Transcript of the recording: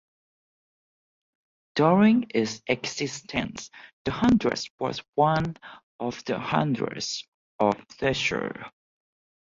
During its existence, the hundred was one of the Hundreds of Cheshire.